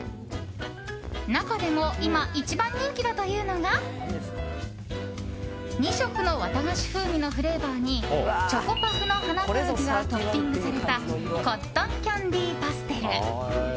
中でも今、一番人気だというのが２色の綿菓子風味のフレーバーにチョコパフの花吹雪がトッピングされたコットンキャンディパステル。